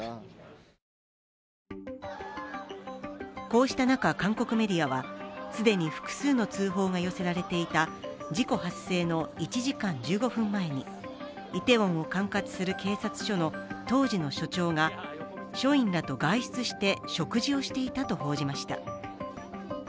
こうした中、韓国メディアは既に複数の通報が寄せられていた事故発生の１時間１５分前にイテウォンを管轄する警察署の当時の署長が署員らと外出して食事をしていたと報じました。